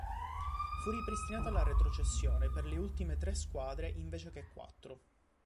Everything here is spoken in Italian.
Fu ripristinata la retrocessione per le ultime tre squadre invece che quattro.